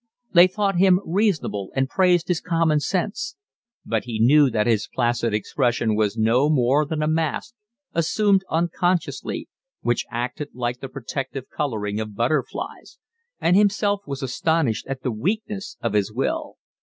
They thought him reasonable and praised his common sense; but he knew that his placid expression was no more than a mask, assumed unconsciously, which acted like the protective colouring of butterflies; and himself was astonished at the weakness of his will.